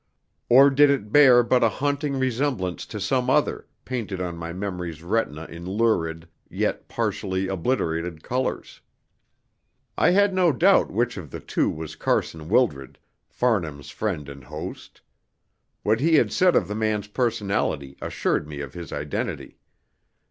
Or did it bear but a haunting resemblance to some other, painted on my memory's retina in lurid, yet partially obliterated, colours? I had no doubt which of the two was Carson Wildred, Farnham's friend and host. What he had said of the man's personality assured me of his identity.